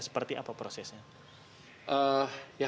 seperti apa prosesnya